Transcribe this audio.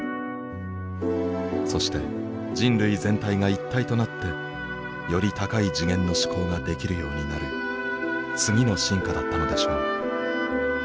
そして人類全体が一体となってより高い次元の思考ができるようになる次の進化だったのでしょう。